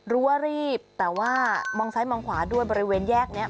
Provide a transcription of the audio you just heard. ว่ารีบแต่ว่ามองซ้ายมองขวาด้วยบริเวณแยกนี้